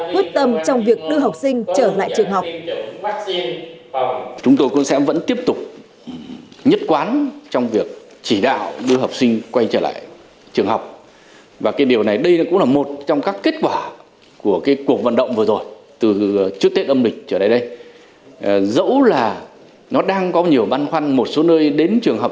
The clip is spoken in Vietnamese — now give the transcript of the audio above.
quyết tâm trong việc đưa học sinh trở lại trường học